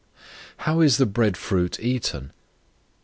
How is the Bread Fruit eaten?